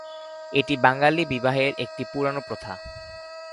এটি বাঙ্গালী বিবাহের একটি পুরনো প্রথা।